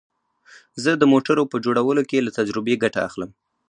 زه د موټرو په جوړولو کې له تجربې ګټه اخلم